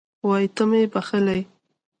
وایي ته مې یې بښلی